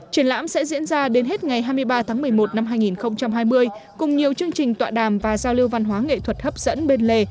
triển lãm sẽ diễn ra đến hết ngày hai mươi ba tháng một mươi một năm hai nghìn hai mươi cùng nhiều chương trình tọa đàm và giao lưu văn hóa nghệ thuật hấp dẫn bên lề